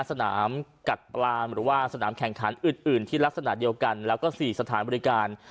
สนามกัดปลามหรือว่าสนามแข่งขันอื่นที่ลักษณะเดียวกันแล้วก็๔สถานบริการ